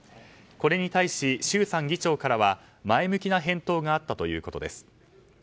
これに対し、衆参議長からは前向きな返答があったということです。